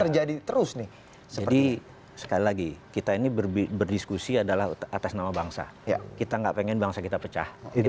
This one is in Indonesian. jadi terus nih jadi sekali lagi kita ini berdiskusi adalah atas nama bangsa ya kita enggak pengen bangsa kita pecah itu